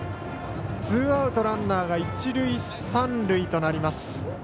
ツーアウト、ランナーが一塁三塁となります。